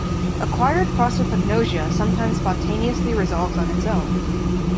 Acquired prosopagnosia sometimes spontaneously resolves on its own.